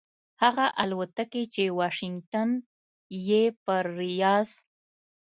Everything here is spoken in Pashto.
هغه الوتکې چې واشنګټن یې پر ریاض